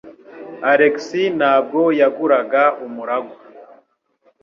Alex ntabwo yaguraga umuragwa.